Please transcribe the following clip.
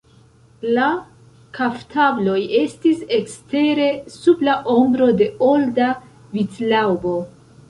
La kaftabloj estis ekstere, sub la ombro de olda vitlaŭbo.